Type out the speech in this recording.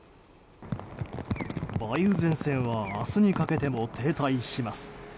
梅雨前線は明日にかけても停滞します。